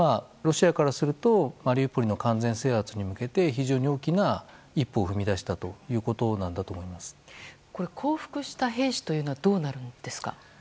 そうなるとロシアからするとマリウポリの完全制圧に向けて非常に大きな一歩を踏み出した降伏した兵士はどうなるんですか？